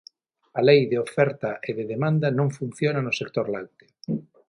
A lei de oferta e de demanda non funciona no sector lácteo.